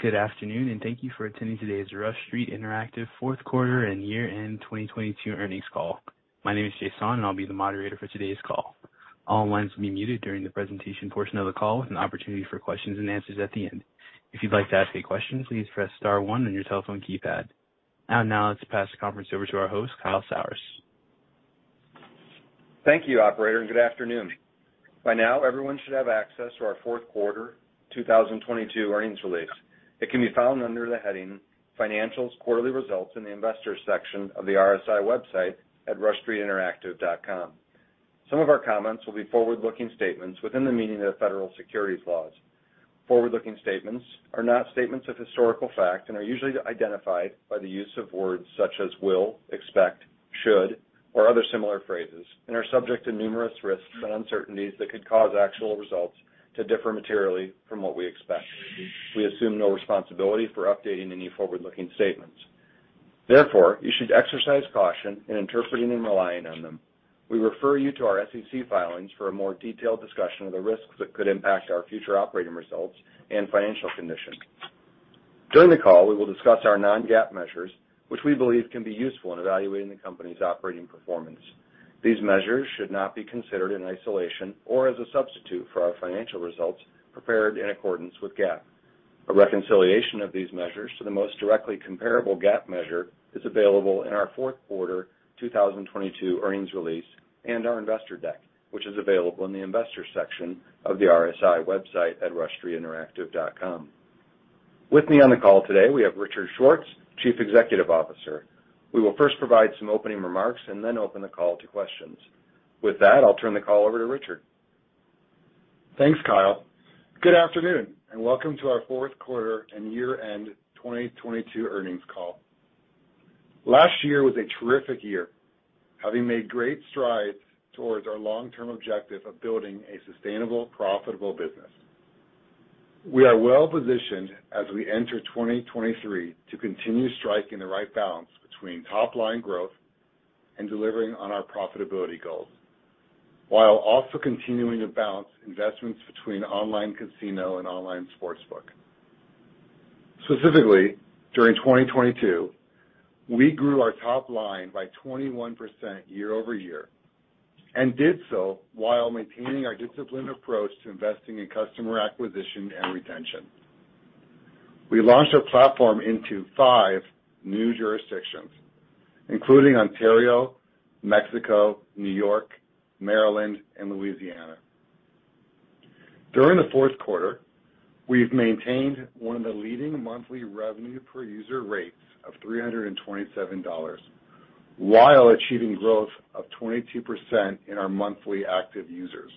Good afternoon, and thank you for attending today's Rush Street Interactive fourth quarter and year-end 2022 earnings call. My name is Jason, and I'll be the moderator for today's call. All lines will be muted during the presentation portion of the call with an opportunity for questions and answers at the end. If you'd like to ask a question, please press star one on your telephone keypad. I'll now pass the conference over to our host, Kyle Sauers. Thank you, operator, and good afternoon. By now, everyone should have access to our fourth quarter 2022 earnings release. It can be found under the heading Financials Quarterly Results in the Investors section of the RSI website at rushstreetinteractive.com. Some of our comments will be forward-looking statements within the meaning of the federal securities laws. Forward-looking statements are not statements of historical fact and are usually identified by the use of words such as will, expect, should, or other similar phrases, and are subject to numerous risks and uncertainties that could cause actual results to differ materially from what we expect. We assume no responsibility for updating any forward-looking statements. You should exercise caution in interpreting and relying on them. We refer you to our SEC filings for a more detailed discussion of the risks that could impact our future operating results and financial condition. During the call, we will discuss our non-GAAP measures, which we believe can be useful in evaluating the company's operating performance. These measures should not be considered in isolation or as a substitute for our financial results prepared in accordance with GAAP. A reconciliation of these measures to the most directly comparable GAAP measure is available in our fourth quarter 2022 earnings release and our investor deck, which is available in the Investors section of the RSI website at rushstreetinteractive.com. With me on the call today, we have Richard Schwartz, Chief Executive Officer. We will first provide some opening remarks and then open the call to questions. With that, I'll turn the call over to Richard. Thanks, Kyle. Good afternoon, welcome to our fourth quarter and year-end 2022 earnings call. Last year was a terrific year, having made great strides towards our long-term objective of building a sustainable, profitable business. We are well-positioned as we enter 2023 to continue striking the right balance between top-line growth and delivering on our profitability goals, while also continuing to balance investments between online casino and online sportsbook. Specifically, during 2022, we grew our top line by 21% year-over-year. We did so while maintaining our disciplined approach to investing in customer acquisition and retention. We launched our platform into five new jurisdictions, including Ontario, Mexico, New York, Maryland, and Louisiana. During the fourth quarter, we've maintained one of the leading monthly revenue per user rates of $327 while achieving growth of 22% in our monthly active users.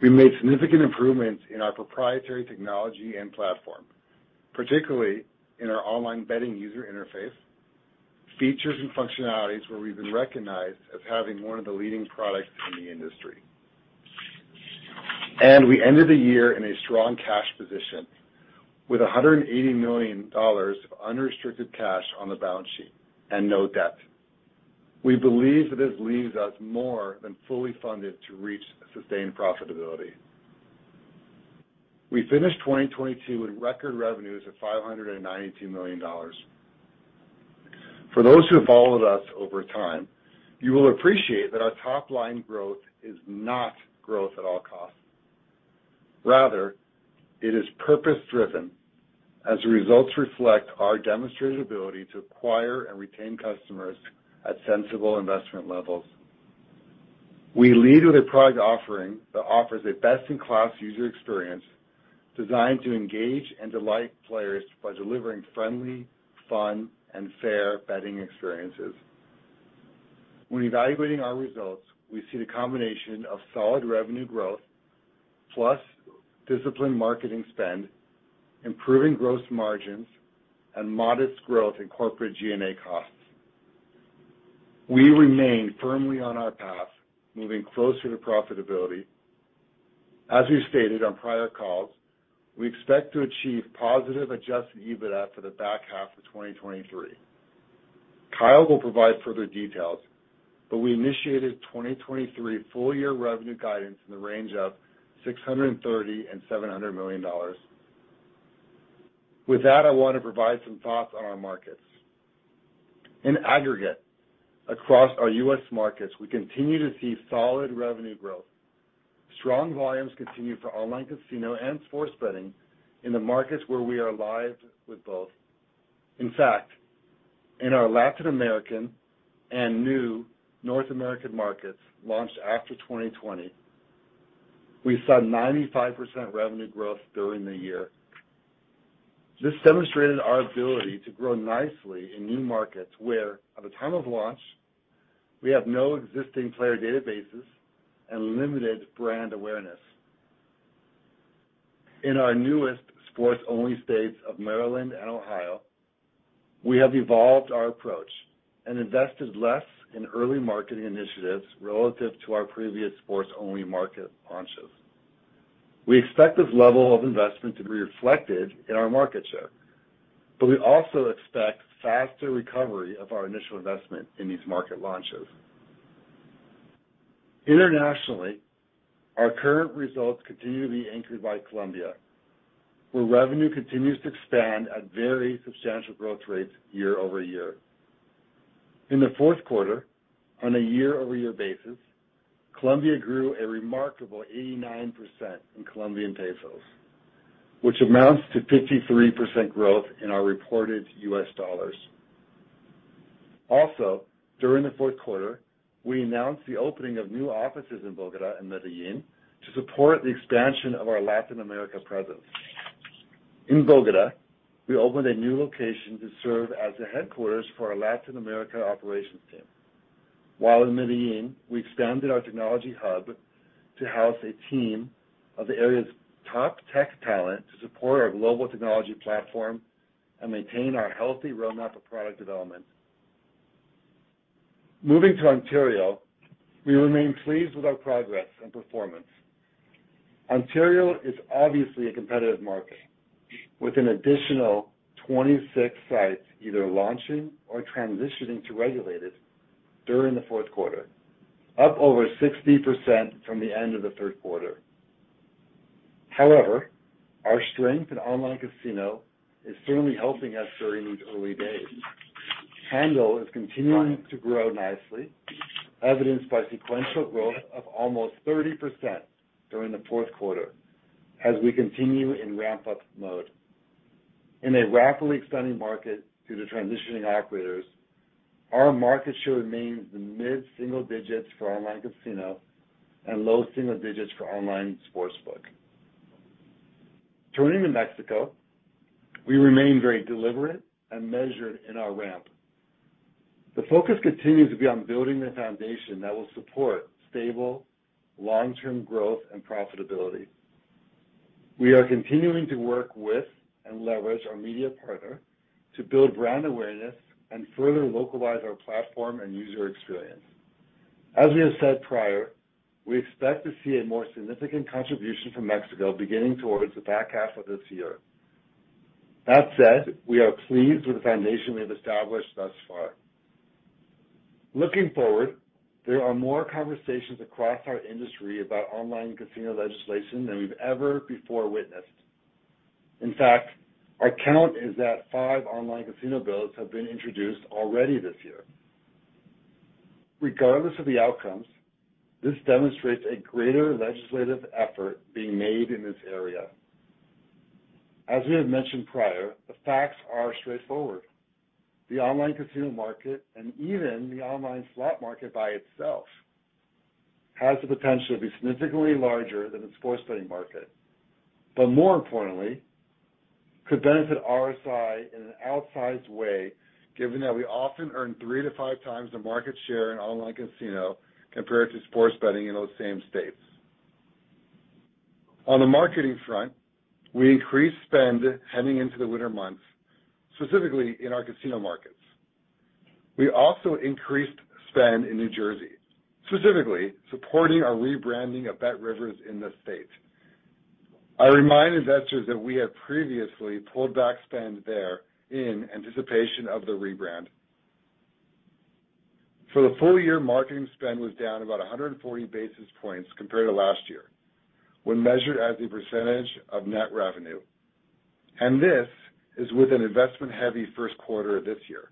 We made significant improvements in our proprietary technology and platform, particularly in our online betting user interface, features, and functionalities, where we've been recognized as having one of the leading products in the industry. We ended the year in a strong cash position with $180 million of unrestricted cash on the balance sheet and no debt. We believe that this leaves us more than fully funded to reach sustained profitability. We finished 2022 with record revenues of $592 million. For those who have followed us over time, you will appreciate that our top-line growth is not growth at all costs. Rather, it is purpose-driven as the results reflect our demonstrated ability to acquire and retain customers at sensible investment levels. We lead with a product offering that offers a best-in-class user experience designed to engage and delight players by delivering friendly, fun, and fair betting experiences. When evaluating our results, we see the combination of solid revenue growth plus disciplined marketing spend, improving gross margins, and modest growth in corporate G&A costs. We remain firmly on our path, moving closer to profitability. As we've stated on prior calls, we expect to achieve positive adjusted EBITDA for the back half of 2023. Kyle will provide further details, but we initiated 2023 full-year revenue guidance in the range of $630 million and $700 million. With that, I want to provide some thoughts on our markets. In aggregate, across our U.S. markets, we continue to see solid revenue growth. Strong volumes continue for online casino and sports betting in the markets where we are live with both. In fact, in our Latin American and new North American markets launched after 2020, we saw 95% revenue growth during the year. This demonstrated our ability to grow nicely in new markets where, at the time of launch, we have no existing player databases and limited brand awareness. In our newest sports-only states of Maryland and Ohio, we have evolved our approach and invested less in early marketing initiatives relative to our previous sports-only market launches. We expect this level of investment to be reflected in our market share, but we also expect faster recovery of our initial investment in these market launches. Internationally, our current results continue to be anchored by Colombia, where revenue continues to expand at very substantial growth rates year-over-year. In the fourth quarter, on a year-over-year basis, Colombia grew a remarkable 89% in Colombian pesos, which amounts to 53% growth in our reported U.S. dollars. During the fourth quarter, we announced the opening of new offices in Bogota and Medellin to support the expansion of our Latin America presence. In Bogota, we opened a new location to serve as the headquarters for our Latin America operations team, while in Medellin, we expanded our technology hub to house a team of the area's top tech talent to support our global technology platform and maintain our healthy roadmap of product development. Moving to Ontario, we remain pleased with our progress and performance. Ontario is obviously a competitive market, with an additional 26 sites either launching or transitioning to regulated during the fourth quarter, up over 60% from the end of the third quarter. However, our strength in online casino is certainly helping us during these early days. Handle is continuing to grow nicely, evidenced by sequential growth of almost 30% during the fourth quarter as we continue in ramp-up mode. In a rapidly expanding market due to transitioning operators, our market share remains in the mid-single digits for online casino and low single digits for online sportsbook. Turning to Mexico, we remain very deliberate and measured in our ramp. The focus continues to be on building the foundation that will support stable long-term growth and profitability. We are continuing to work with and leverage our media partner to build brand awareness and further localize our platform and user experience. As we have said prior, we expect to see a more significant contribution from Mexico beginning towards the back half of this year. That said, we are pleased with the foundation we have established thus far. Looking forward, there are more conversations across our industry about online casino legislation than we've ever before witnessed. Our count is that five online casino bills have been introduced already this year. Regardless of the outcomes, this demonstrates a greater legislative effort being made in this area. As we have mentioned prior, the facts are straightforward. The online casino market, and even the online slot market by itself, has the potential to be significantly larger than the sports betting market, more importantly, could benefit RSI in an outsized way, given that we often earn 3x-5x the market share in iCasino compared to sports betting in those same states. On the marketing front, we increased spend heading into the winter months, specifically in our iCasino markets. We also increased spend in New Jersey, specifically supporting our rebranding of BetRivers in the state. I remind investors that we have previously pulled back spend there in anticipation of the rebrand. For the full year, marketing spend was down about 140 basis points compared to last year when measured as a percentage of net revenue. This is with an investment-heavy first quarter this year.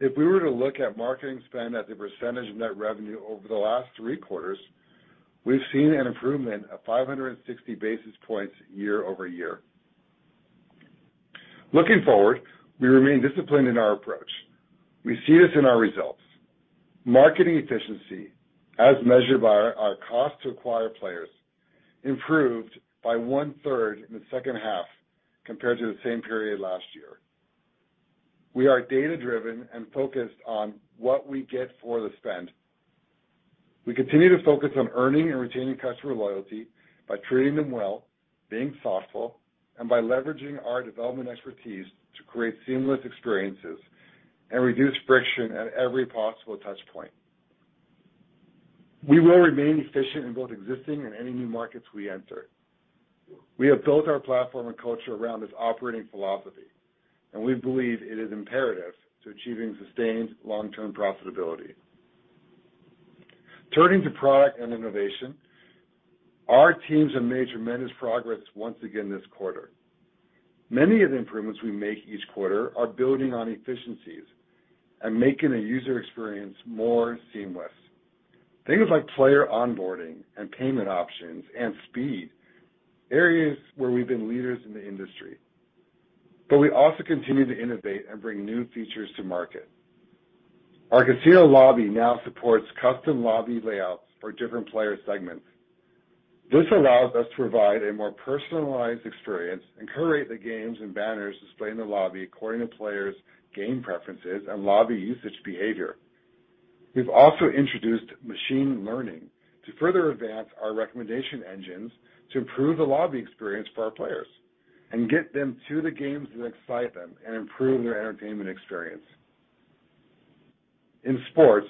If we were to look at marketing spend as a percentage of net revenue over the last three quarters, we've seen an improvement of 560 basis points year-over-year. Looking forward, we remain disciplined in our approach. We see this in our results. Marketing efficiency, as measured by our cost to acquire players, improved by one-third in the second half compared to the same period last year. We are data-driven and focused on what we get for the spend. We continue to focus on earning and retaining customer loyalty by treating them well, being thoughtful, and by leveraging our development expertise to create seamless experiences and reduce friction at every possible touch point. We will remain efficient in both existing and any new markets we enter. We have built our platform and culture around this operating philosophy, and we believe it is imperative to achieving sustained long-term profitability. Turning to product and innovation, our teams have made tremendous progress once again this quarter. Many of the improvements we make each quarter are building on efficiencies and making the user experience more seamless. Things like player onboarding and payment options and speed, areas where we've been leaders in the industry. We also continue to innovate and bring new features to market. Our casino lobby now supports custom lobby layouts for different player segments. This allows us to provide a more personalized experience and curate the games and banners displayed in the lobby according to players' game preferences and lobby usage behavior. We've also introduced machine learning to further advance our recommendation engines to improve the lobby experience for our players and get them to the games that excite them and improve their entertainment experience. In sports,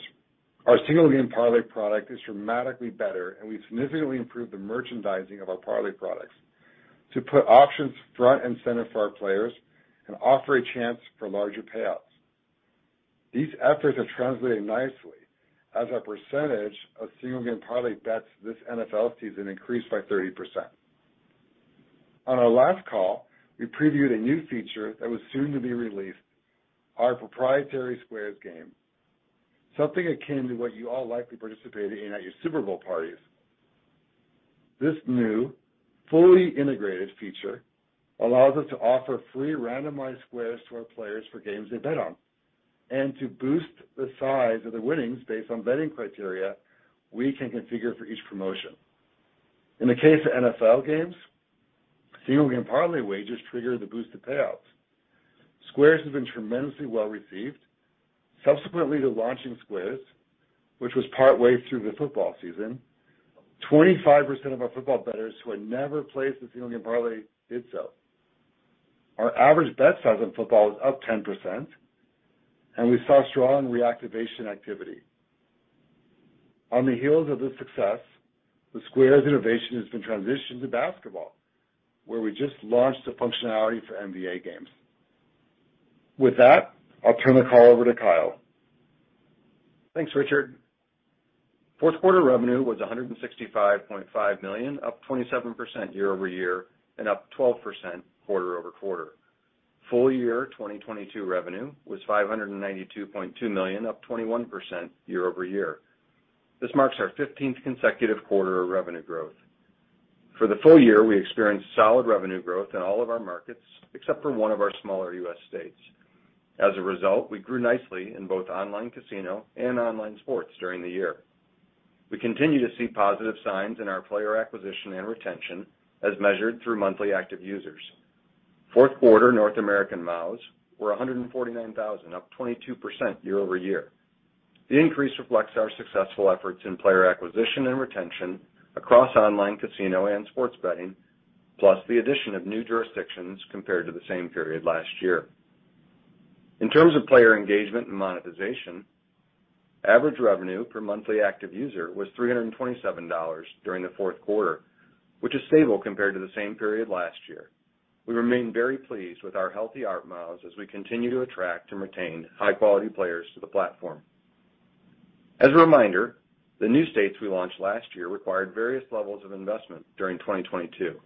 our single-game parlay product is dramatically better, and we've significantly improved the merchandising of our parlay products to put options front and center for our players and offer a chance for larger payouts. These efforts have translated nicely as our percentage of single-game parlay bets this NFL season increased by 30%. On our last call, we previewed a new feature that was soon to be released, our proprietary Squares game, something akin to what you all likely participated in at your Super Bowl parties. This new, fully integrated feature allows us to offer free randomized Squares to our players for games they bet on and to boost the size of the winnings based on betting criteria we can configure for each promotion. In the case of NFL games, single-game parlay wagers trigger the boost to payouts. Squares have been tremendously well-received. Subsequently to launching Squares, which was partway through the football season, 25% of our football bettors who had never placed a single-game parlay did so. Our average bet size on football is up 10%, and we saw strong reactivation activity. On the heels of this success, the Squares innovation has been transitioned to basketball, where we just launched the functionality for NBA games. With that, I'll turn the call over to Kyle. Thanks, Richard. Fourth quarter revenue was $165.5 million, up 27% year-over-year and up 12% quarter-over-quarter. Full year 2022 revenue was $592.2 million, up 21% year-over-year. This marks our 15th consecutive quarter of revenue growth. For the full year, we experienced solid revenue growth in all of our markets, except for one of our smaller U.S. states. As a result, we grew nicely in both online casino and online sports during the year. We continue to see positive signs in our player acquisition and retention as measured through monthly active users. Fourth quarter North American MAUs were 149,000, up 22% year-over-year. The increase reflects our successful efforts in player acquisition and retention across online casino and sports betting, plus the addition of new jurisdictions compared to the same period last year. In terms of player engagement and monetization, average revenue per monthly active user was $327 during the fourth quarter, which is stable compared to the same period last year. We remain very pleased with our healthy ARPMAU as we continue to attract and retain high-quality players to the platform. As a reminder, the new states we launched last year required various levels of investment during 2022.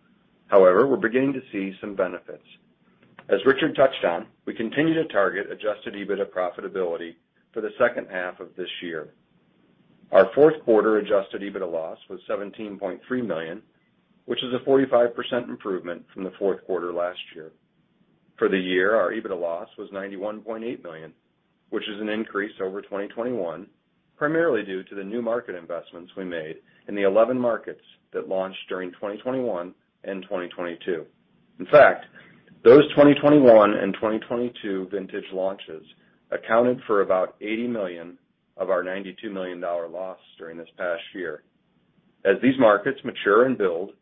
We're beginning to see some benefits. As Richard touched on, we continue to target adjusted EBITDA profitability for the second half of this year. Our fourth quarter adjusted EBITDA loss was $17.3 million, which is a 45% improvement from the fourth quarter last year. For the year, our EBITDA loss was $91.8 million, which is an increase over 2021, primarily due to the new market investments we made in the 11 markets that launched during 2021 and 2022. In fact, those 2021 and 2022 vintage launches accounted for about $80 million of our $92 million loss during this past year. As these markets mature and build,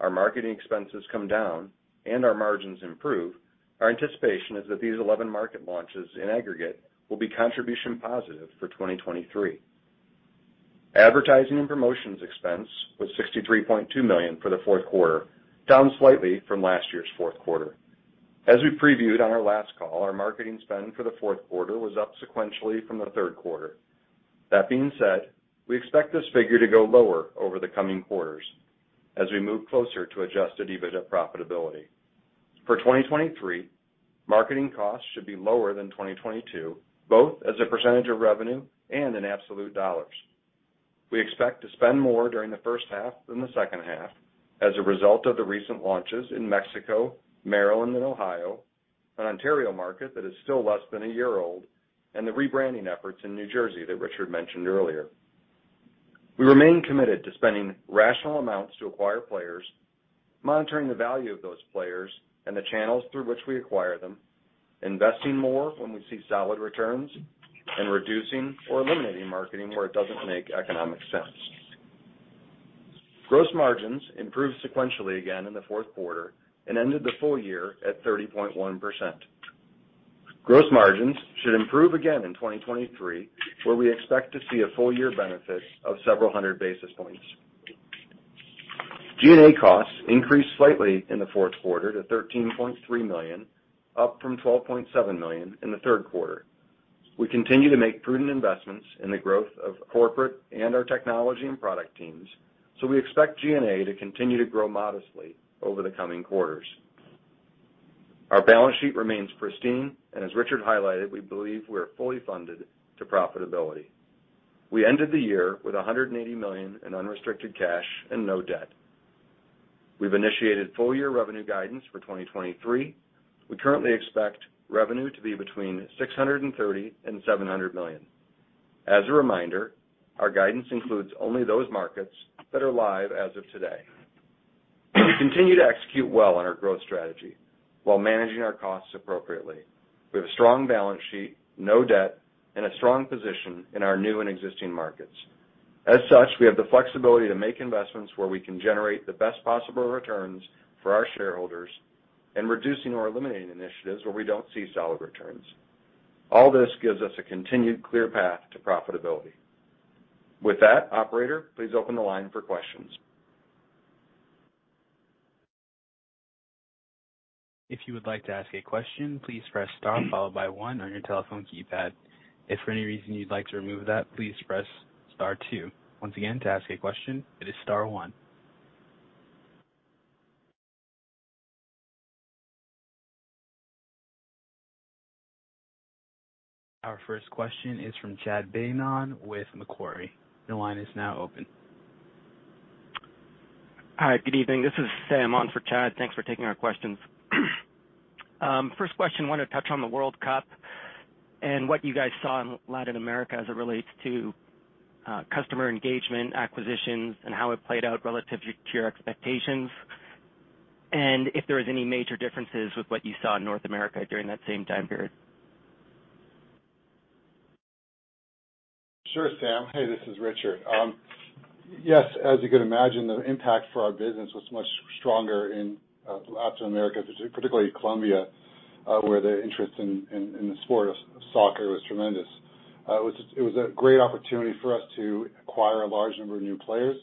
our marketing expenses come down and our margins improve, our anticipation is that these 11 market launches in aggregate will be contribution positive for 2023. Advertising and promotions expense was $63.2 million for the fourth quarter, down slightly from last year's fourth quarter. As we previewed on our last call, our marketing spend for the fourth quarter was up sequentially from the third quarter. That being said, we expect this figure to go lower over the coming quarters as we move closer to adjusted EBITDA profitability. For 2023, marketing costs should be lower than 2022, both as a % of revenue and in absolute dollars. We expect to spend more during the first half than the second half as a result of the recent launches in Mexico, Maryland and Ohio, an Ontario market that is still less than a year old, and the rebranding efforts in New Jersey that Richard mentioned earlier. We remain committed to spending rational amounts to acquire players, monitoring the value of those players and the channels through which we acquire them, investing more when we see solid returns, and reducing or eliminating marketing where it doesn't make economic sense. Gross margins improved sequentially again in the fourth quarter and ended the full year at 30.1%. Gross margins should improve again in 2023, where we expect to see a full year benefit of several 100 basis points. G&A costs increased slightly in the fourth quarter to $13.3 million, up from $12.7 million in the third quarter. We continue to make prudent investments in the growth of corporate and our technology and product teams, we expect G&A to continue to grow modestly over the coming quarters. Our balance sheet remains pristine, As Richard highlighted, we believe we are fully funded to profitability. We ended the year with $180 million in unrestricted cash and no debt. We've initiated full-year revenue guidance for 2023. We currently expect revenue to be between $630 million and $700 million. As a reminder, our guidance includes only those markets that are live as of today. We continue to execute well on our growth strategy while managing our costs appropriately. We have a strong balance sheet, no debt, and a strong position in our new and existing markets. As such, we have the flexibility to make investments where we can generate the best possible returns for our shareholders and reducing or eliminating initiatives where we don't see solid returns. All this gives us a continued clear path to profitability. With that, operator, please open the line for questions. If you would like to ask a question, please press star followed by one on your telephone keypad. If for any reason you'd like to remove that, please press star two. Once again, to ask a question, it is star one. Our first question is from Chad Beynon with Macquarie. Your line is now open. Hi, good evening. This is Sam on for Chad. Thanks for taking our questions. First question, want to touch on the World Cup and what you guys saw in Latin America as it relates to customer engagement, acquisitions, and how it played out relative to your expectations, and if there was any major differences with what you saw in North America during that same time period. Sure, Sam. Hey, this is Richard. Yes, as you can imagine, the impact for our business was much stronger in Latin America, particularly Colombia, where the interest in the sport of soccer was tremendous. It was a great opportunity for us to acquire a large number of new players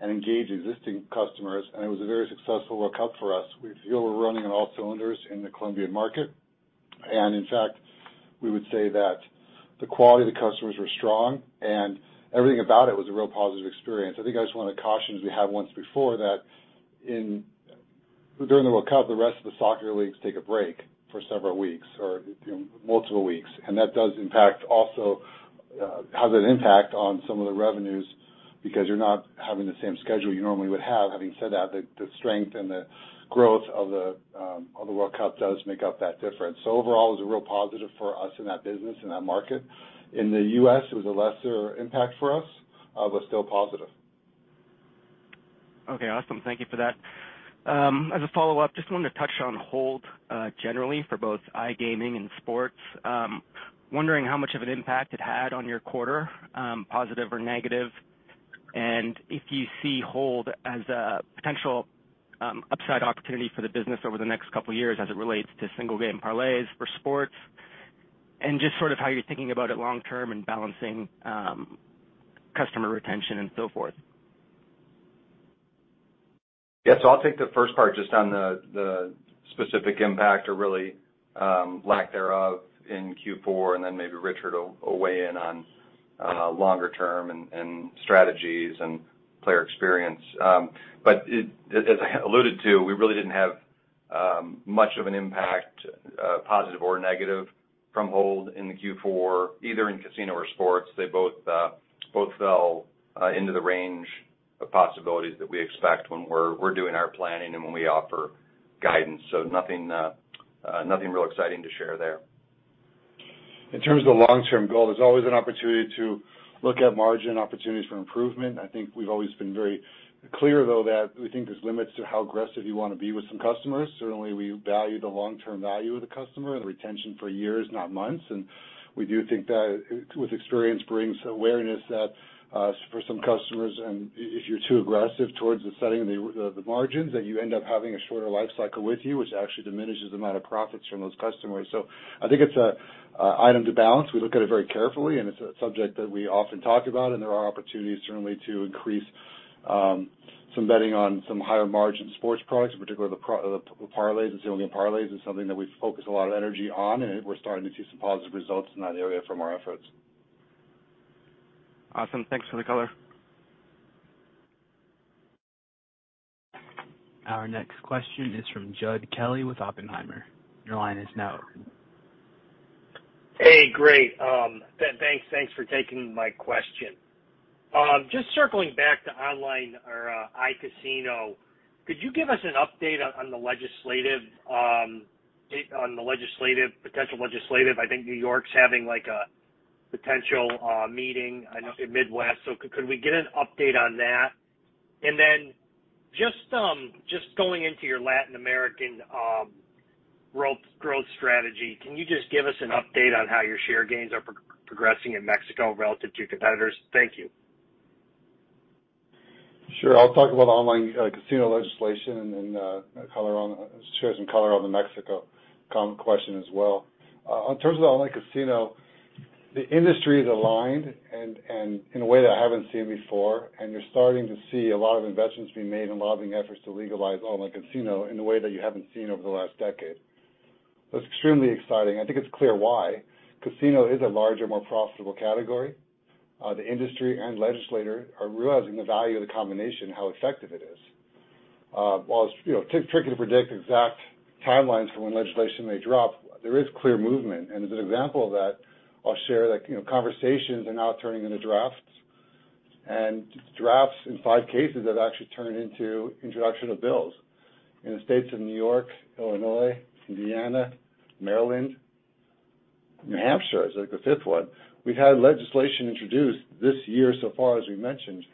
and engage existing customers, and it was a very successful World Cup for us. We feel we're running on all cylinders in the Colombian market. In fact, we would say that the quality of the customers were strong, and everything about it was a real positive experience. I think I just wanna caution, as we have once before, that during the World Cup, the rest of the soccer leagues take a break for several weeks or, you know, multiple weeks, and that does impact also, has an impact on some of the revenues because you're not having the same schedule you normally would have. Having said that, the strength and the growth of the World Cup does make up that difference. Overall, it was a real positive for us in that business, in that market. In the U.S., it was a lesser impact for us, but still positive. Okay, awesome. Thank you for that. As a follow-up, just wanted to touch on hold, generally for both iGaming and sports. Wondering how much of an impact it had on your quarter, positive or negative, and if you see hold as a potential upside opportunity for the business over the next couple years as it relates to single-game parlays for sports, and just sort of how you're thinking about it long term and balancing customer retention and so forth? I'll take the first part just on the specific impact or really, lack thereof in Q4. Then maybe Richard will weigh in on longer term and strategies and player experience. As I alluded to, we really didn't have much of an impact, positive or negative from hold in the Q4, either in casino or sports. They both fell into the range of possibilities that we expect when we're doing our planning and when we offer guidance. Nothing real exciting to share there. In terms of the long-term goal, there's always an opportunity to look at margin opportunities for improvement. I think we've always been very clear, though, that we think there's limits to how aggressive you wanna be with some customers. Certainly, we value the long-term value of the customer, the retention for years, not months. We do think that with experience brings awareness that for some customers and if you're too aggressive towards the setting of the margins, then you end up having a shorter life cycle with you, which actually diminishes the amount of profits from those customers. I think it's a item to balance. We look at it very carefully, and it's a subject that we often talk about, and there are opportunities certainly to increase some betting on some higher margin sports products, in particular the parlays. The ceiling parlays is something that we focus a lot of energy on. We're starting to see some positive results in that area from our efforts. Awesome. Thanks for the color. Our next question is from Jed Kelly with Oppenheimer. Your line is now open. Hey, great. Thanks. Thanks for taking my question. Just circling back to online or iCasino, could you give us an update on the legislative, potential legislative? I think New York's having, like, a potential meeting, I know, in Midwest. Could we get an update on that? Then just going into your Latin American growth strategy, can you just give us an update on how your share gains are progressing in Mexico relative to competitors? Thank you. Sure. I'll talk about online casino legislation and then share some color on the Mexico question as well. In terms of the online casino, the industry is aligned in a way that I haven't seen before, and you're starting to see a lot of investments being made and lobbying efforts to legalize online casino in a way that you haven't seen over the last decade. That's extremely exciting. I think it's clear why. Casino is a larger, more profitable category. The industry and legislator are realizing the value of the combination, how effective it is. While it's, you know, tricky to predict exact timelines for when legislation may drop, there is clear movement. As an example of that, I'll share that, you know, conversations are now turning into drafts. Drafts in five cases have actually turned into introduction of bills. In the states of New York, Illinois, Indiana, Maryland, New Hampshire is, like, the fifth one. We've had legislation introduced this year so far, as we mentioned.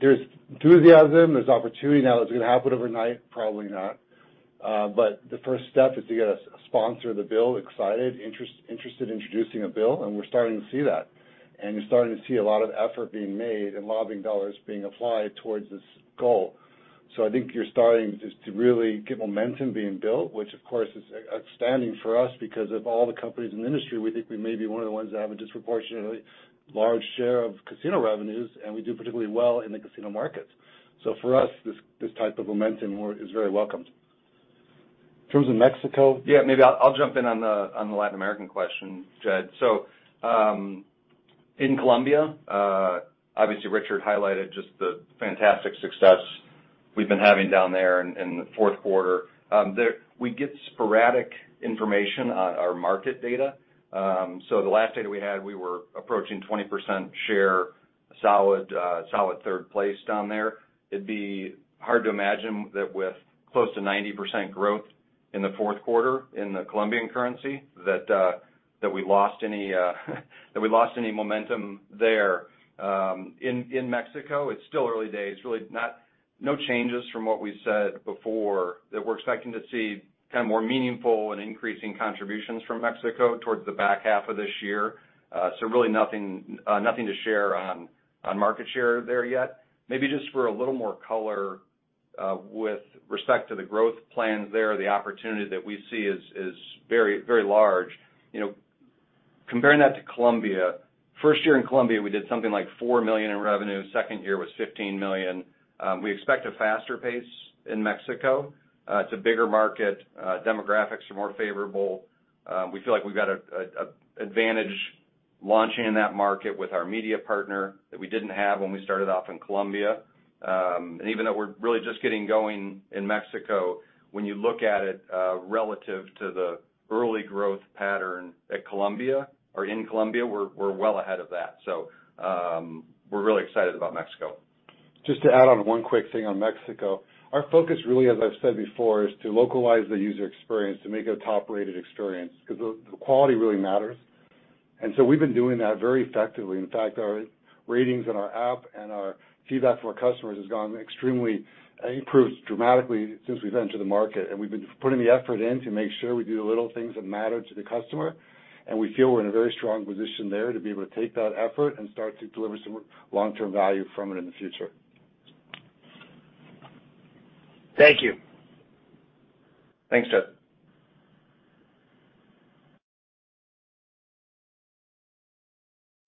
There's enthusiasm, there's opportunity. Now, is it gonna happen overnight? Probably not. The first step is to get a sponsor of the bill excited, interested in introducing a bill, and we're starting to see that. You're starting to see a lot of effort being made and lobbying dollars being applied towards this goal. I think you're starting just to really get momentum being built, which of course is outstanding for us because of all the companies in the industry, we think we may be one of the ones that have a disproportionately large share of casino revenues, and we do particularly well in the casino markets. For us, this type of momentum is very welcomed. In terms of Mexico. Yeah, maybe I'll jump in on the, on the Latin American question, Jed. In Colombia, obviously Richard highlighted just the fantastic success we've been having down there in the fourth quarter. We get sporadic information on our market data. The last data we had, we were approaching 20% share, solid third place down there. It'd be hard to imagine that with close to 90% growth in the fourth quarter in the Colombian currency that we lost any, that we lost any momentum there. In Mexico, it's still early days. No changes from what we said before, that we're expecting to see kind of more meaningful and increasing contributions from Mexico towards the back half of this year. Really nothing to share on market share there yet. Maybe just for a little more color, with respect to the growth plans there, the opportunity that we see is very, very large. You know, comparing that to Colombia, first year in Colombia, we did something like $4 million in revenue. Second year was $15 million. We expect a faster pace in Mexico. It's a bigger market. Demographics are more favorable. We feel like we've got an advantage launching in that market with our media partner that we didn't have when we started off in Colombia. Even though we're really just getting going in Mexico, when you look at it, relative to the early growth pattern at Colombia or in Colombia, we're well ahead of that. We're really excited about Mexico. Just to add on one quick thing on Mexico. Our focus really, as I've said before, is to localize the user experience to make it a top-rated experience 'cause the quality really matters. So we've been doing that very effectively. In fact, our ratings in our app and our feedback from our customers has gone extremely improved dramatically since we've entered the market. We've been putting the effort in to make sure we do the little things that matter to the customer. We feel we're in a very strong position there to be able to take that effort and start to deliver some long-term value from it in the future. Thank you. Thanks, Jed.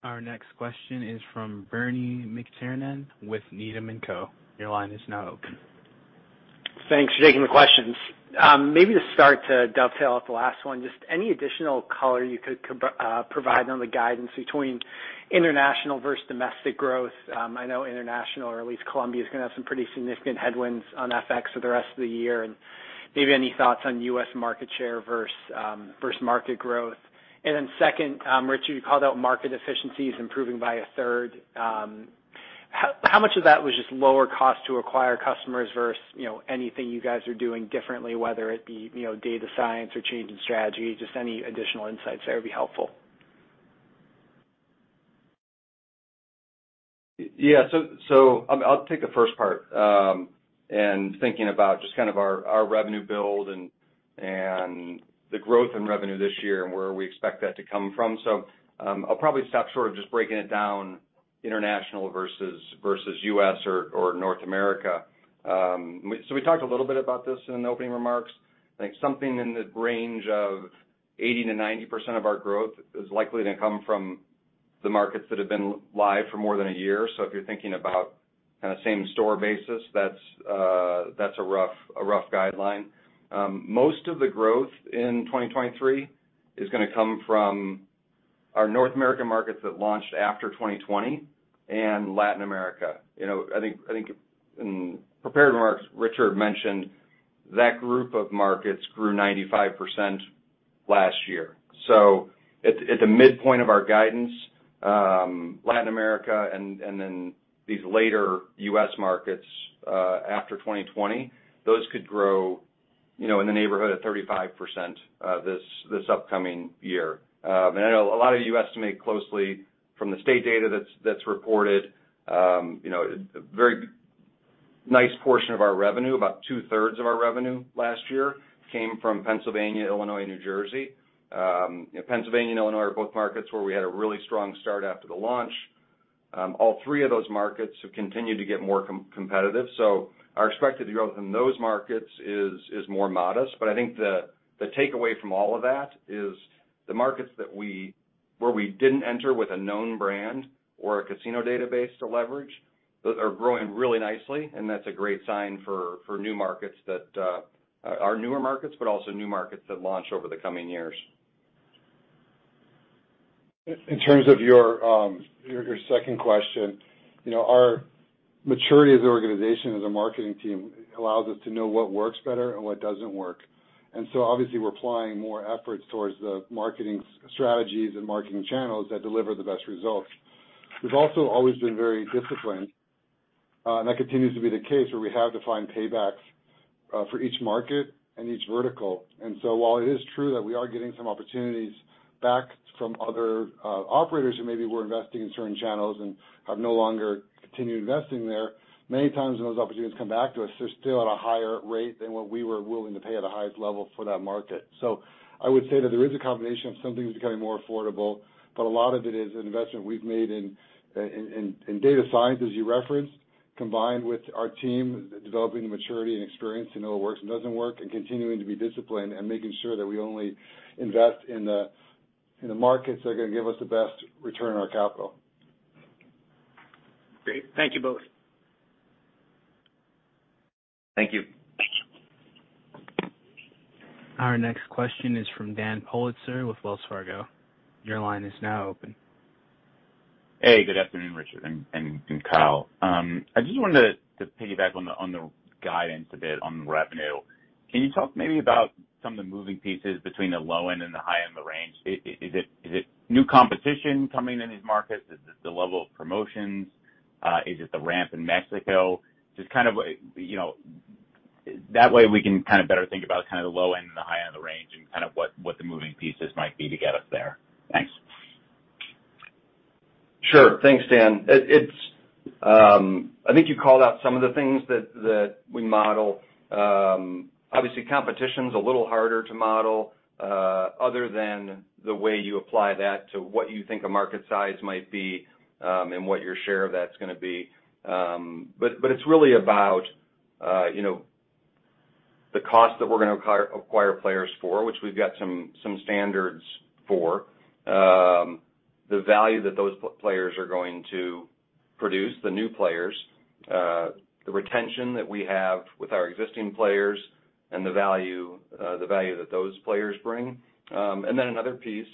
Our next question is from Bernie McTernan with Needham & Co. Your line is now open. Thanks for taking the questions. Maybe to start to dovetail off the last one, just any additional color you could provide on the guidance between international versus domestic growth? I know international or at least Colombia is gonna have some pretty significant headwinds on FX for the rest of the year. Maybe any thoughts on U.S. market share versus market growth. Second, Richard, you called out market efficiencies improving by a third. How much of that was just lower cost to acquire customers versus, you know, anything you guys are doing differently, whether it be, you know, data science or change in strategy, just any additional insights there would be helpful. Yeah. I'll take the first part, in thinking about just kind of our revenue build and the growth in revenue this year and where we expect that to come from. I'll probably stop short of just breaking it down international versus U.S. or North America. We talked a little bit about this in the opening remarks. I think something in the range of 80%-90% of our growth is likely to come from the markets that have been live for more than a year. If you're thinking about kind of same store basis, that's a rough guideline. Most of the growth in 2023 is gonna come from our North American markets that launched after 2020 and Latin America. You know, I think in prepared remarks, Richard mentioned that group of markets grew 95% last year. At the midpoint of our guidance, Latin America and then these later U.S. markets, after 2020, those could grow, you know, in the neighborhood of 35% this upcoming year. I know a lot of you estimate closely from the state data that's reported, you know, a very nice portion of our revenue, about 2/3 of our revenue last year came from Pennsylvania, Illinois, New Jersey. Pennsylvania and Illinois are both markets where we had a really strong start after the launch. All three of those markets have continued to get more competitive. Our expected growth in those markets is more modest. I think the takeaway from all of that is the markets where we didn't enter with a known brand or a casino database to leverage, those are growing really nicely, and that's a great sign for new markets that are newer markets, but also new markets that launch over the coming years. In terms of your second question, you know, our maturity as an organization, as a marketing team allows us to know what works better and what doesn't work. Obviously we're applying more efforts towards the marketing strategies and marketing channels that deliver the best results. We've also always been very disciplined, and that continues to be the case where we have defined paybacks for each market and each vertical. While it is true that we are getting some opportunities back from other operators who maybe were investing in certain channels and have no longer continued investing there, many times when those opportunities come back to us, they're still at a higher rate than what we were willing to pay at the highest level for that market. I would say that there is a combination of some things becoming more affordable, but a lot of it is investment we've made in data science, as you referenced. Combined with our team developing the maturity and experience to know what works and doesn't work, and continuing to be disciplined and making sure that we only invest in the markets that are gonna give us the best return on our capital. Great. Thank you both. Thank you. Thank you. Our next question is from Daniel Politzer with Wells Fargo. Your line is now open. Hey, good afternoon, Richard and Kyle. I just wanted to piggyback on the guidance a bit on revenue. Can you talk maybe about some of the moving pieces between the low end and the high end of the range? Is it new competition coming in these markets? Is it the level of promotions? Is it the ramp in Mexico? Just kind of, you know. That way we can kind of better think about kind of the low end and the high end of the range and what the moving pieces might be to get us there. Thanks. Sure. Thanks, Dan. It's, I think you called out some of the things that we model. Obviously, competition's a little harder to model, other than the way you apply that to what you think a market size might be, and what your share of that's gonna be. It's really about, you know, the cost that we're gonna acquire players for, which we've got some standards for. The value that those players are going to produce, the new players, the retention that we have with our existing players and the value that those players bring. Then another piece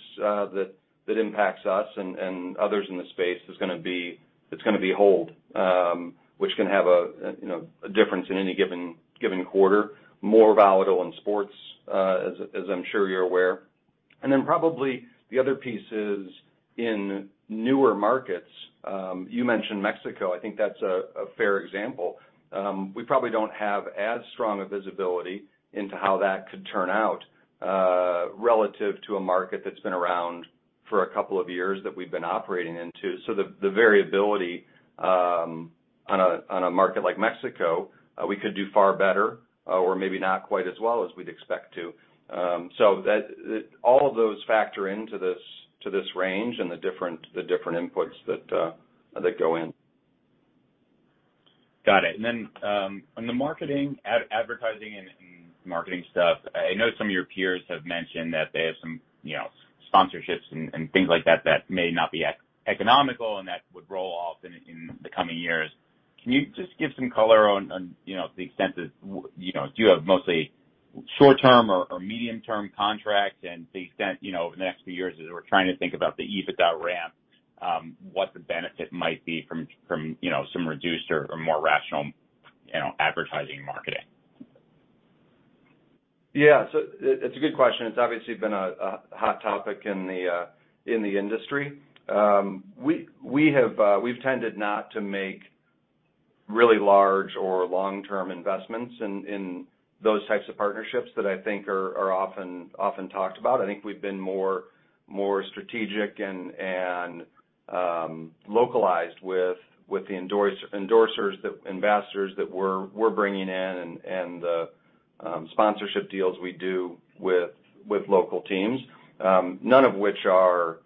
that impacts us and others in the space is gonna be hold, which can have a, you know, a difference in any given quarter, more volatile in sports, as I'm sure you're aware. Then probably the other piece is in newer markets, you mentioned Mexico, I think that's a fair example. We probably don't have as strong a visibility into how that could turn out, relative to a market that's been around for a couple of years that we've been operating into. The variability on a market like Mexico, we could do far better, or maybe not quite as well as we'd expect to. All of those factor into this range and the different inputs that go in. Got it. On the marketing, advertising and marketing stuff, I know some of your peers have mentioned that they have some, you know, sponsorships and things like that that may not be economical and that would roll off in the coming years. Can you just give some color on, you know, the extent of, you know, do you have mostly short-term or medium-term contracts? And the extent, you know, over the next few years as we're trying to think about the EBITDA ramp, what the benefit might be from, you know, some reduced or more rational, you know, advertising and marketing? It's a good question. It's obviously been a hot topic in the industry. We've tended not to make really large or long-term investments in those types of partnerships that I think are often talked about. I think we've been more strategic and localized with the endorsers, the ambassadors that we're bringing in and the sponsorship deals we do with local teams. None of which are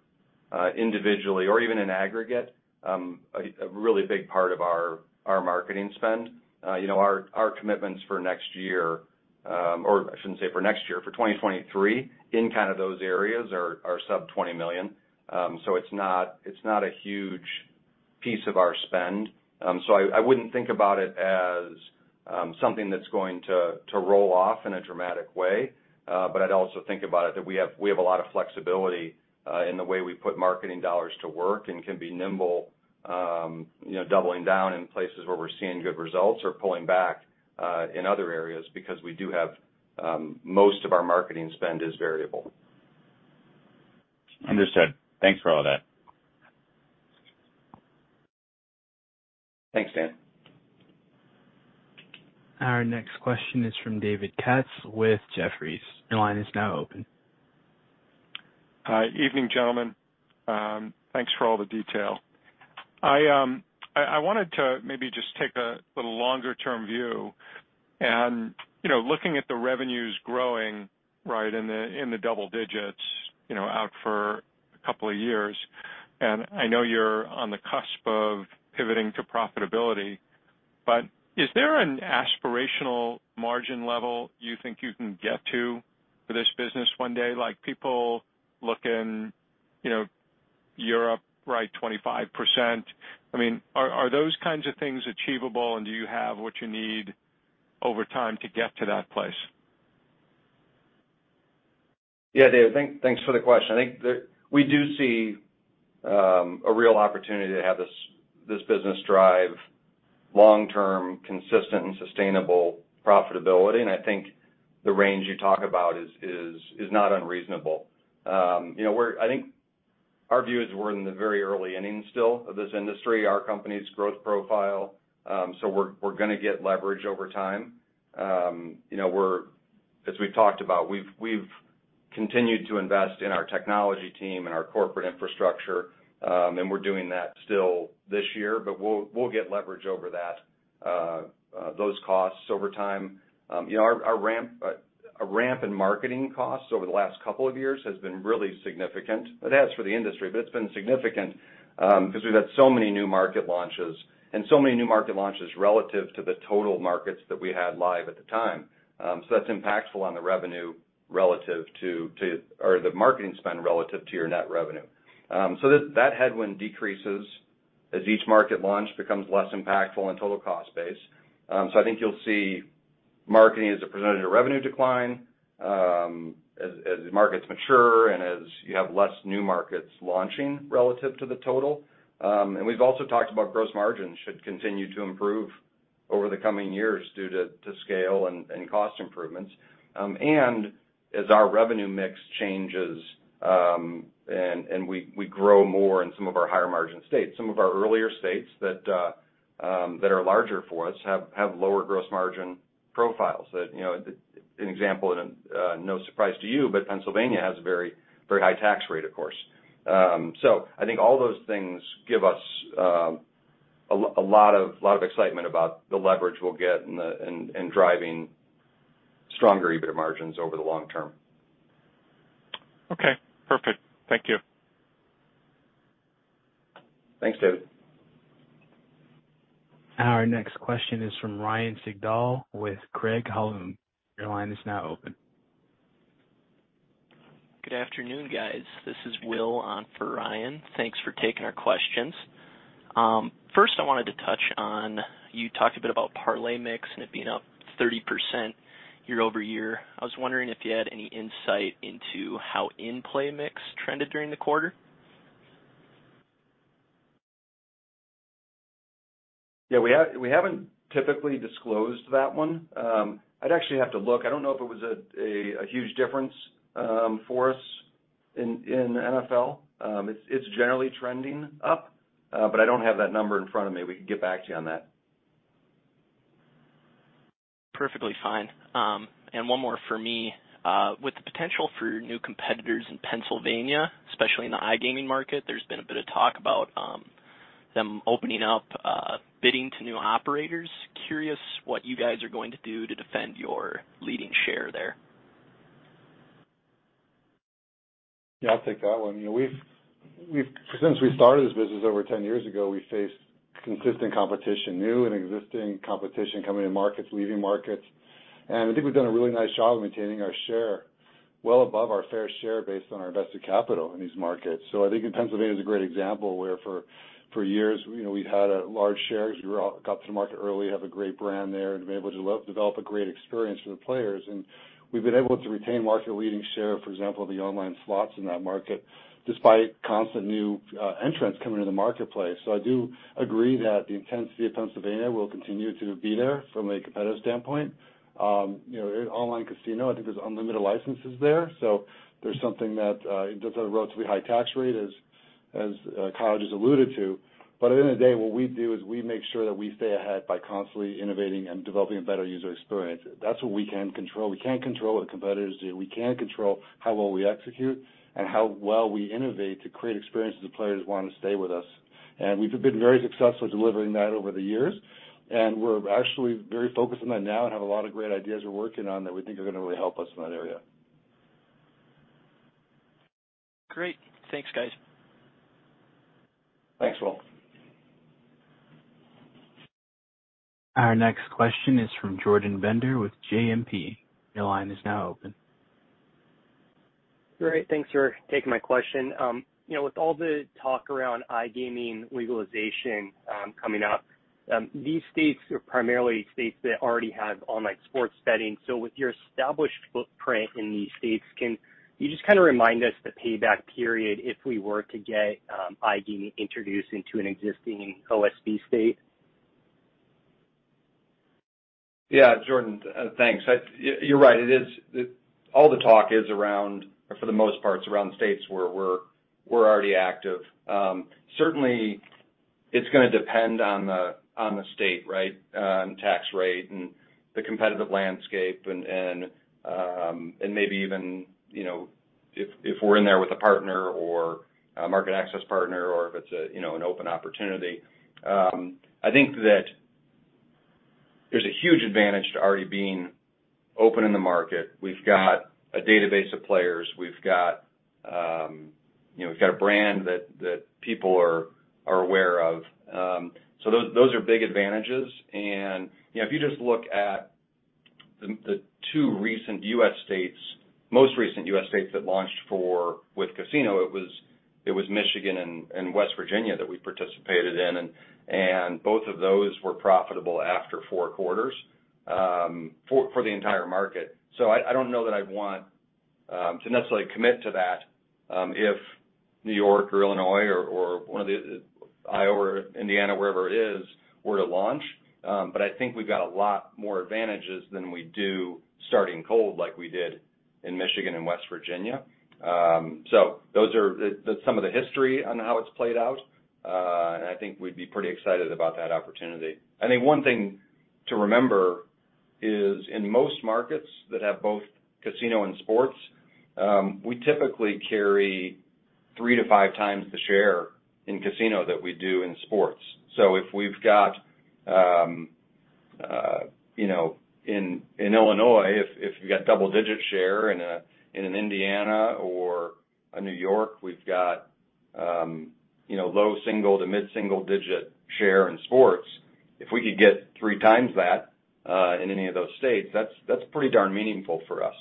individually or even in aggregate, a really big part of our marketing spend. You know, our commitments for next year, or I shouldn't say for next year, for 2023, in kind of those areas are sub-$20 million. It's not a huge piece of our spend. I wouldn't think about it as something that's going to roll off in a dramatic way. I'd also think about it that we have a lot of flexibility in the way we put marketing dollars to work and can be nimble, you know, doubling down in places where we're seeing good results or pulling back in other areas because we do have most of our marketing spend is variable. Understood. Thanks for all that. Thanks, Dan. Our next question is from David Katz with Jefferies. Your line is now open. Hi. Evening, gentlemen. Thanks for all the detail. I wanted to maybe just take a little longer term view. You know, looking at the revenues growing, right, in the, in the double digits, you know, out for a couple of years, and I know you're on the cusp of pivoting to profitability, but is there an aspirational margin level you think you can get to for this business one day? Like, people look in, you know, Europe, right, 25%. I mean, are those kinds of things achievable, and do you have what you need over time to get to that place? Yeah, David, thanks for the question. I think the We do see a real opportunity to have this business drive long-term, consistent and sustainable profitability, and I think the range you talk about is not unreasonable. You know, I think our view is we're in the very early innings still of this industry, our company's growth profile, so we're gonna get leverage over time. You know, we're, as we've talked about, we've continued to invest in our technology team and our corporate infrastructure, and we're doing that still this year, but we'll get leverage over those costs over time. You know, our ramp, a ramp in marketing costs over the last couple of years has been really significant. That's for the industry, but it's been significant because we've had so many new market launches and so many new market launches relative to the total markets that we had live at the time. That's impactful on the revenue relative to or the marketing spend relative to your net revenue. That, that headwind decreases as each market launch becomes less impactful in total cost base. I think you'll see marketing as a percentage of revenue decline as the markets mature and as you have less new markets launching relative to the total. We've also talked about gross margins should continue to improve over the coming years due to scale and cost improvements. As our revenue mix changes, and we grow more in some of our higher-margin states. Some of our earlier states that are larger for us have lower gross margin profiles. That, you know, an example, and, no surprise to you, Pennsylvania has a very, very high tax rate, of course. I think all those things give us a lot of excitement about the leverage we'll get in driving stronger EBITDA margins over the long term. Okay, perfect. Thank you. Thanks, David. Our next question is from Ryan Sigdahl with Craig-Hallum. Your line is now open. Good afternoon, guys. This is Will on for Ryan. Thanks for taking our questions. First I wanted to touch on, you talked a bit about parlay mix and it being up 30% year-over-year. I was wondering if you had any insight into how in-play mix trended during the quarter. Yeah, we haven't typically disclosed that one. I'd actually have to look. I don't know if it was a huge difference for us in NFL. It's generally trending up, but I don't have that number in front of me. We can get back to you on that. Perfectly fine. One more for me. With the potential for new competitors in Pennsylvania, especially in the iGaming market, there's been a bit of talk about, them opening up, bidding to new operators. Curious what you guys are going to do to defend your leading share there. Yeah, I'll take that one. You know, we've since we started this business over 10 years ago, we faced consistent competition, new and existing competition coming in markets, leaving markets. I think we've done a really nice job of maintaining our share well above our fair share based on our invested capital in these markets. I think and Pennsylvania is a great example where for years, you know, we've had a large share as we got to the market early, have a great brand there, and been able to develop a great experience for the players. We've been able to retain market-leading share, for example, the online slots in that market, despite constant new entrants coming into the marketplace. I do agree that the intensity of Pennsylvania will continue to be there from a competitive standpoint. you know, online casino, I think there's unlimited licenses there. There's something that there's a relatively high tax rate, as Kyle Sauers has alluded to. At the end of the day, what we do is we make sure that we stay ahead by constantly innovating and developing a better user experience. That's what we can control. We can't control what competitors do. We can control how well we execute and how well we innovate to create experiences that players want to stay with us. We've been very successful delivering that over the years. We're actually very focused on that now and have a lot of great ideas we're working on that we think are gonna really help us in that area. Great. Thanks, guys. Thanks, Will. Our next question is from Jordan Bender with JMP. Your line is now open. Great. Thanks for taking my question. You know, with all the talk around iGaming legalization coming up, these states are primarily states that already have online sports betting. With your established footprint in these states, can you just kind of remind us the payback period if we were to get iGaming introduced into an existing OSB state? Jordan, thanks. You're right. All the talk is around, for the most part, it's around states where we're already active. Certainly it's gonna depend on the state, right? On tax rate and the competitive landscape and maybe even, you know, if we're in there with a partner or a market access partner or if it's a, you know, an open opportunity. I think that there's a huge advantage to already being open in the market. We've got a database of players. We've got, you know, we've got a brand that people are aware of. Those are big advantages. You know, if you just look at the two recent U.S. states, most recent U.S. states that launched with casino, it was Michigan and West Virginia that we participated in, and both of those were profitable after four quarters for the entire market. I don't know that I'd want to necessarily commit to that if New York or Illinois or one of the Iowa or Indiana, wherever it is, were to launch. I think we've got a lot more advantages than we do starting cold like we did in Michigan and West Virginia. Those are some of the history on how it's played out. I think we'd be pretty excited about that opportunity. I think one thing to remember is in most markets that have both casino and sports, we typically carry three to five times the share in casino that we do in sports. If we've got, you know, in Illinois, if you've got double-digit share in an Indiana or a New York, we've got, you know, low-single to mid-single-digit share in sports. If we could get three times that in any of those states, that's pretty darn meaningful for us.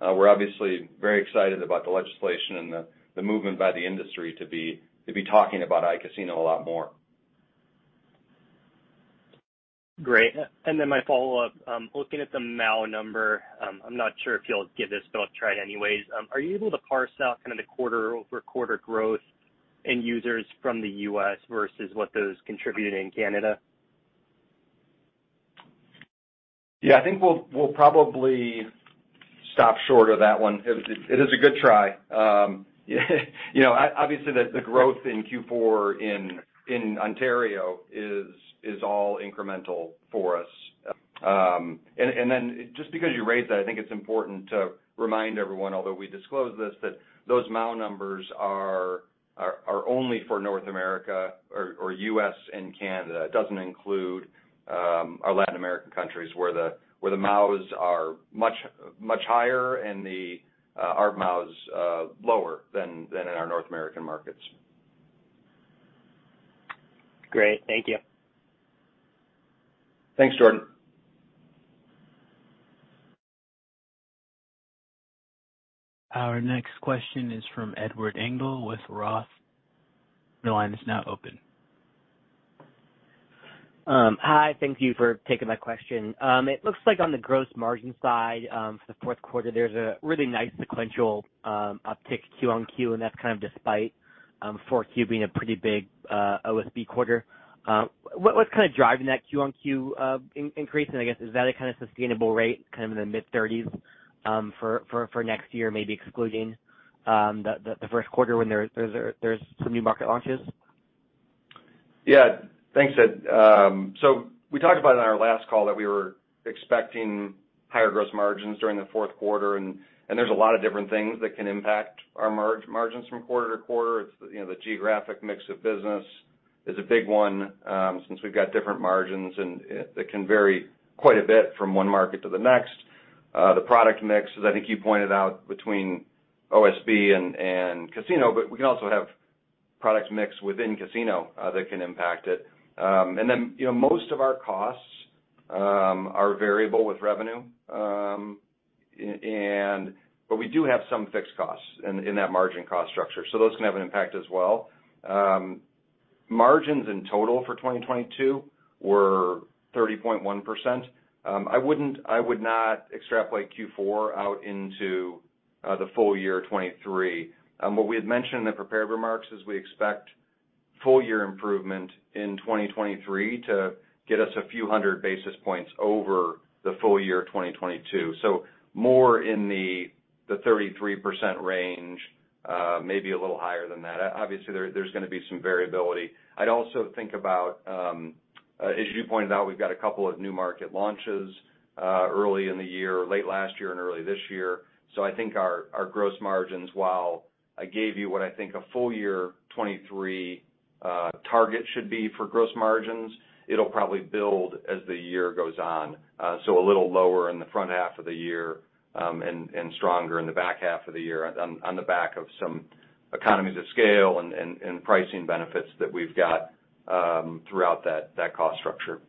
We're obviously very excited about the legislation and the movement by the industry to be talking about iCasino a lot more. Great. My follow-up, looking at the MAU number, I'm not sure if you'll give this, but I'll try it anyways. Are you able to parse out kind of the quarter-over-quarter growth in users from the U.S. versus what those contributed in Canada? Yeah, I think we'll probably stop short of that one. It is a good try. You know, obviously, the growth in Q4 in Ontario is all incremental for us. Then just because you raised that, I think it's important to remind everyone, although we disclosed this, that those MAU numbers are only for North America or U.S. and Canada. It doesn't include our Latin American countries where the MAUs are much higher and the our MAUs lower than in our North American markets. Great. Thank you. Thanks, Jordan. Our next question is from Edward Engel with Roth. Your line is now open. Hi. Thank you for taking my question. It looks like on the gross margin side, for the fourth quarter, there's a really nice sequential uptick Q-on-Q, and that's kind of despite 4Q being a pretty big OSB quarter. What's kind of driving that Q-on-Q increase? I guess, is that a kind of sustainable rate, kind of in the mid-30s, for next year, maybe excluding the 1st quarter when there's some new market launches? Yeah, thanks, Ed. We talked about in our last call that we were expecting higher gross margins during the fourth quarter, and there's a lot of different things that can impact our margins from quarter to quarter. It's, you know, the geographic mix of business is a big one, since we've got different margins and it can vary quite a bit from one market to the next. The product mix is, I think you pointed out between OSB and casino, but we can also have product mix within casino that can impact it. You know, most of our costs are variable with revenue. We do have some fixed costs in that margin cost structure, so those can have an impact as well. Margins in total for 2022 were 30.1%. I would not extrapolate Q4 out into the full year of 2023. What we had mentioned in the prepared remarks is we expect full year improvement in 2023 to get us a few hundred basis points over the full year of 2022. More in the 33% range, maybe a little higher than that. Obviously, there's gonna be some variability. I'd also think about, as you pointed out, we've got a couple of new market launches, early in the year, late last year and early this year. I think our gross margins, while I gave you what I think a full year 2023 target should be for gross margins, it'll probably build as the year goes on. A little lower in the front half of the year, and stronger in the back half of the year on the back of some economies of scale and pricing benefits that we've got throughout that cost structure.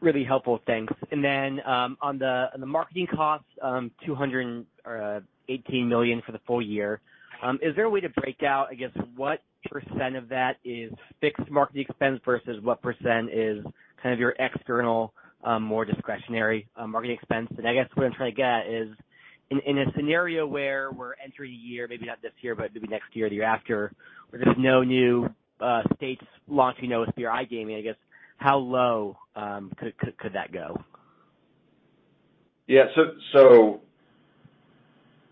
Really helpful. Thanks. On the marketing costs, $218 million for the full year, is there a way to break out, I guess, what percent of that is fixed marketing expense versus what percent is kind of your external, more discretionary, marketing expense? I guess what I'm trying to get at is in a scenario where we're entering a year, maybe not this year, but maybe next year or the year after, where there's no new states launching OSB or iGaming, I guess, how low could that go? Yeah.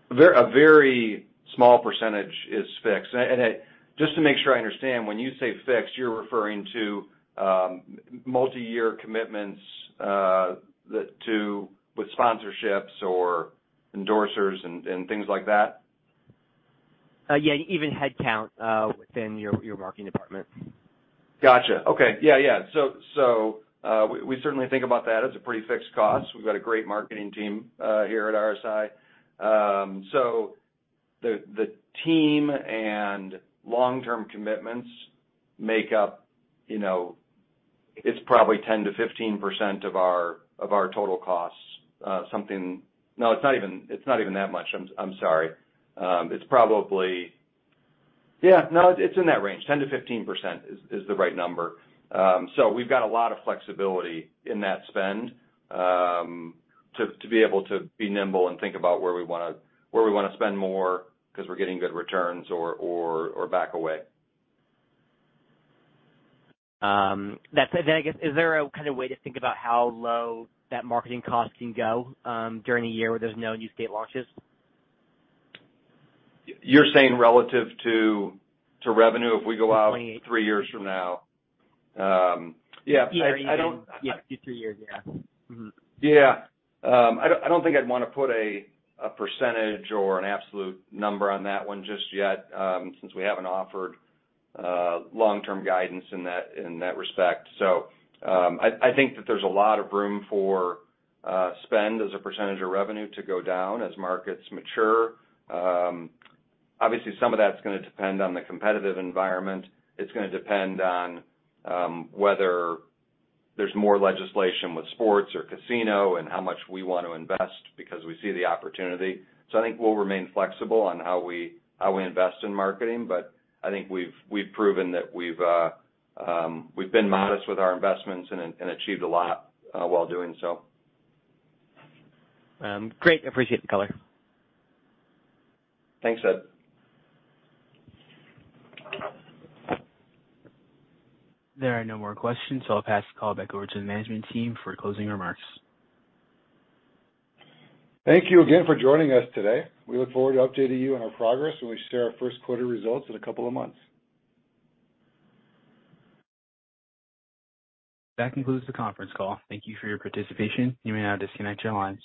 A very small percentage is fixed. Just to make sure I understand, when you say fixed, you're referring to, multi-year commitments, with sponsorships or endorsers and things like that? Yeah, even headcount within your marketing department. Gotcha. Okay. Yeah, yeah. We certainly think about that as a pretty fixed cost. We've got a great marketing team here at RSI. The team and long-term commitments make up, you know, it's probably 10%-15% of our total costs. No, it's not even that much. I'm sorry. Yeah, no, it's in that range. 10%-15% is the right number. We've got a lot of flexibility in that spend to be able to be nimble and think about where we wanna spend more because we're getting good returns or back away. That's it. I guess, is there a kind of way to think about how low that marketing cost can go during a year where there's no new state launches? You're saying relative to revenue if we go out- To- three years from now? Yeah. iGaming. I don't- Yeah, two years, three years. Yeah. Mm-hmm. I don't, I don't think I'd wanna put a percentage or an absolute number on that one just yet, since we haven't offered long-term guidance in that, in that respect. I think that there's a lot of room for spend as a percentage of revenue to go down as markets mature. Obviously, some of that's gonna depend on the competitive environment. It's gonna depend on whether there's more legislation with sports or casino and how much we want to invest because we see the opportunity. I think we'll remain flexible on how we, how we invest in marketing, but I think we've proven that we've been modest with our investments and achieved a lot while doing so. Great. Appreciate the color. Thanks, Ed. There are no more questions. I'll pass the call back over to the management team for closing remarks. Thank you again for joining us today. We look forward to updating you on our progress when we share our first quarter results in a couple of months. That concludes the conference call. Thank you for your participation. You may now disconnect your lines.